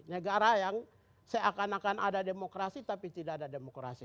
negara yang seakan akan ada demokrasi tapi tidak ada demokrasi